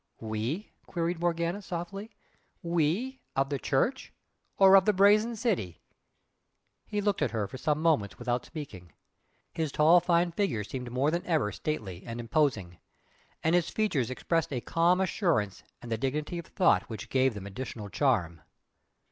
"We?" queried Morgana, softly "WE of the Church? or of the Brazen City?" He looked at her for some moments without speaking. His tall fine figure seemed more than ever stately and imposing and his features expressed a calm assurance and dignity of thought which gave them additional charm.